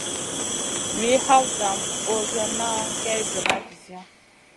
Wi hawta ɓozioŋa kay joona viziya.